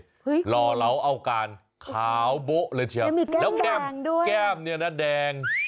เห้ยรอเราเอาการขาวบะเลยเชียวแล้วแก้มเนี่ยนะแดง